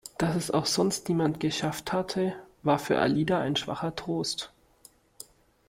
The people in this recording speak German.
Dass es auch sonst niemand geschafft hatte, war für Alida ein schwacher Trost.